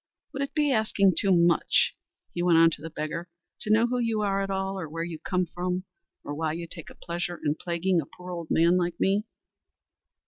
"Would it be asking too much," he went on to the beggar, "to know who you are at all, or where you come from, or why you take a pleasure in plaguing a poor old man like me?"